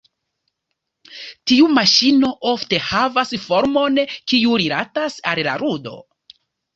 Tiu maŝino ofte havas formon kiu rilatas al la ludo.